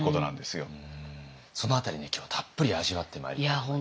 その辺りね今日たっぷり味わってまいりたいと思います。